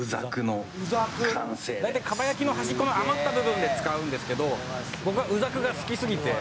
「大体蒲焼きの端っこの余った部分を使うんですけど僕はうざくが好きすぎて」